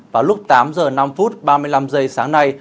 vào lúc tám h năm phút ba mươi năm giây sáng nay